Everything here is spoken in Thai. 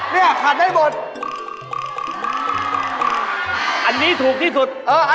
นิกร์พี่ถูกก่อน